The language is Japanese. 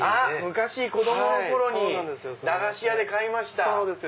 昔子供の頃に駄菓子屋で買いました。